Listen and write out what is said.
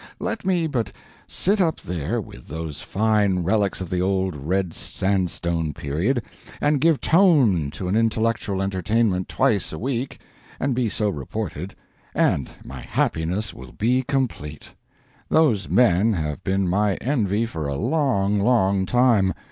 Let me but sit up there with those fine relics of the Old Red Sandstone period and give Tone to an intellectual entertainment twice a week, and be so reported, and my happiness will be complete. Those men have been my envy for a long, long time.